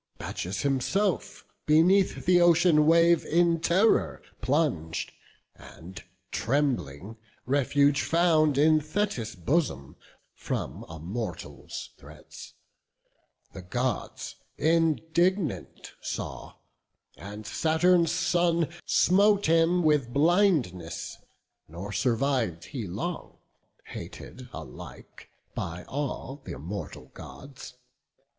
Bacchus himself beneath the ocean wave In terror plung'd, and, trembling, refuge found In Thetis' bosom from a mortal's threats: The Gods indignant saw, and Saturn's son Smote him with blindness; nor surviv'd he long, Hated alike by all th' immortal Gods.